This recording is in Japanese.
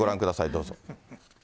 どうぞ。